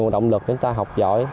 động lực chúng ta học giỏi